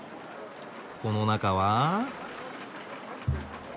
この中は？